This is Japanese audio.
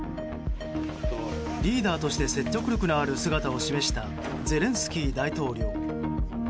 リーダーとして説得力のある姿を示したゼレンスキー大統領。